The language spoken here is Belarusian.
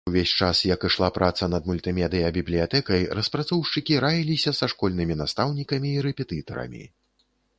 Увесь час, як ішла праца над мультымедыя-бібліятэкай, распрацоўшчыкі раіліся са школьнымі настаўнікамі і рэпетытарамі.